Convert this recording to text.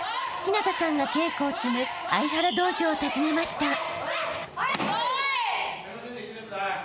［陽向さんが稽古を積む相原道場を訪ねました］